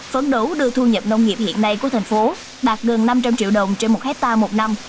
phấn đấu đưa thu nhập nông nghiệp hiện nay của thành phố đạt gần năm trăm linh triệu đồng trên một hectare một năm